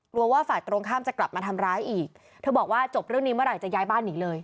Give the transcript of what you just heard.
ว่าฝ่ายตรงข้ามจะกลับมาทำร้ายอีกเธอบอกว่าจบเรื่องนี้เมื่อไหร่จะย้ายบ้านหนีเลย